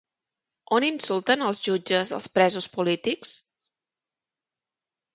On insulten els jutges als presos polítics?